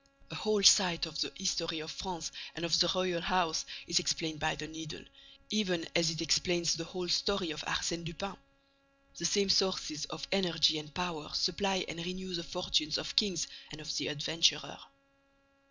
A whole side of the history of France and of the royal house is explained by the Needle, even as it explains the whole story of Arsène Lupin. The same sources of energy and power supply and renew the fortunes of kings and of the adventurer."